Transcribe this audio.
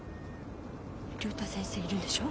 竜太先生いるんでしょ？